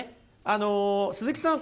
あの鈴木さん